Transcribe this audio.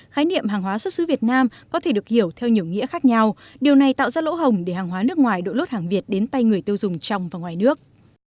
khái niệm hàng hóa xuất xứ việt nam có thể được hiểu theo nhiều nghĩa khác nhau điều này tạo ra lỗ hồng để hàng hóa nước ngoài đổ lốt hàng việt đến tay người tiêu dùng trong và ngoài nước